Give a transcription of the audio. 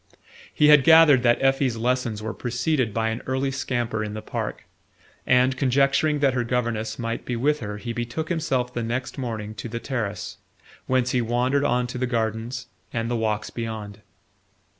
He had gathered that Effie's lessons were preceded by an early scamper in the park, and conjecturing that her governess might be with her he betook himself the next morning to the terrace, whence he wandered on to the gardens and the walks beyond.